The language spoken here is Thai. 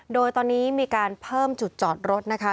โดยตอนนี้มีการเพิ่มจุดจอดรถนะคะ